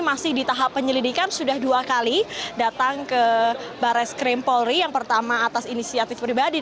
masih di tahap penyelidikan sudah dua kali datang ke baris krim polri yang pertama atas inisiatif pribadi